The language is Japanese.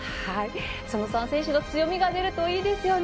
その３選手の強みが出るといいですよね。